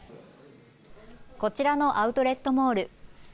こちらのアウトレットモール。